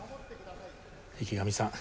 池上さん